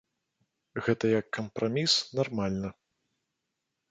Гэта як кампраміс нармальна.